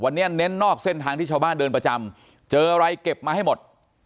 วันนี้เน้นนอกเส้นทางที่ชาวบ้านเดินประจำเจออะไรเก็บมาให้หมด